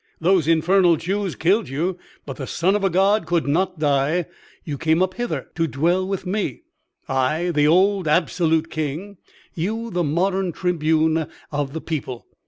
Those infernal Jews killed you, but the son of a God could not die; you came up hither to dwell with me; I the old absolute king, you the modern tribune of the people.